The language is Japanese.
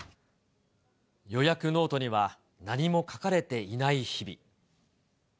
予約ノートには何も書かれていない日々。